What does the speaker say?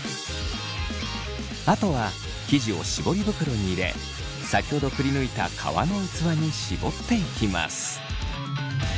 あとは生地を絞り袋に入れ先ほどくりぬいた皮の器に絞っていきます。